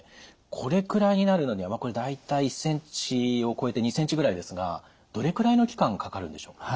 これくらいになるのにはこれ大体１ｃｍを超えて２ｃｍぐらいですがどれくらいの期間かかるんでしょうか？